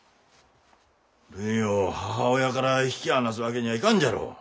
るいを母親から引き離すわけにゃあいかんじゃろう。